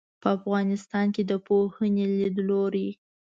په افغانستان کې د پوهنې لیدلورى